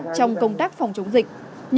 trong công tác phòng chống dịch